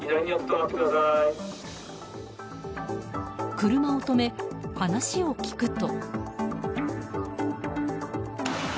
車を止め、話を聞くと。